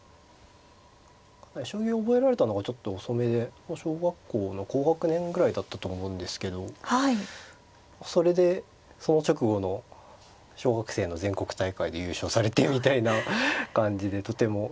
将棋を覚えられたのがちょっと遅めで小学校の高学年ぐらいだったと思うんですけどそれでその直後の小学生の全国大会で優勝されてみたいな感じでとても。